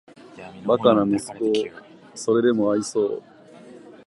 バカな息子をーーーーそれでも愛そう・・・